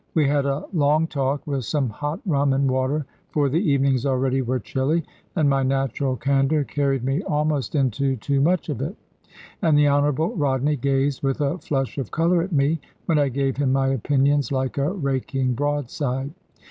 We had a long talk, with some hot rum and water, for the evenings already were chilly; and my natural candour carried me almost into too much of it. And the Honourable Rodney gazed with a flush of colour at me, when I gave him my opinions like a raking broadside.